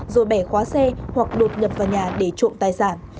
rồi bẻ khóa xe hoặc đột nhập vào nhà để trộm tài sản